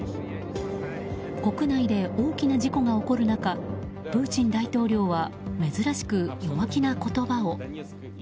国内で大きな事故が起こる中プーチン大統領は珍しく弱気な言葉を。